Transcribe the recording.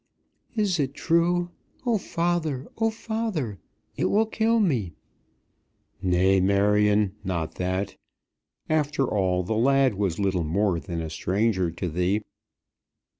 "Is it true? Oh, father; oh, father; it will kill me." "Nay, Marion, not that. After all, the lad was little more than a stranger to thee."